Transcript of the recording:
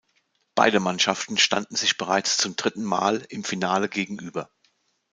Beide Mannschaften standen sich bereits zum dritten Mal im Finale gegenüber.